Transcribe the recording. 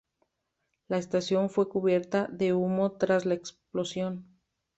La estación fue cubierta de humo tras la explosión.